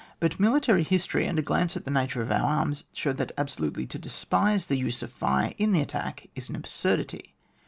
But military history, and a glance at the nature of our arms, show that ab solutely to despise the use of fire in the attack is an absurdity.